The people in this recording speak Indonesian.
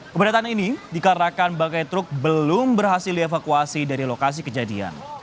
kepadatan ini dikarenakan bangkai truk belum berhasil dievakuasi dari lokasi kejadian